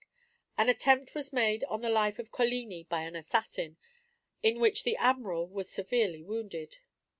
An attempt was made on the life of Coligni by an assassin, in which the Admiral was severely wounded.